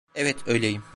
Evet, öyleyim.